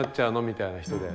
みたいな人で。